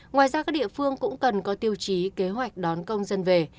ngoài ra các địa phương cũng cần có tiêu chí kế hoạch đón công dân về